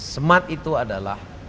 smart itu adalah